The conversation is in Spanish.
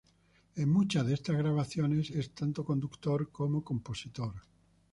En muchas de estas grabaciones es tanto conductor como compositor.